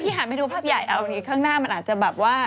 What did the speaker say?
พี่หาเมนูภาพใหญ่เอาอันนี้ข้างหน้ามันอาจจะแบบว่า